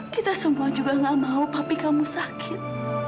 kita semua juga gak mau tapi kamu sakit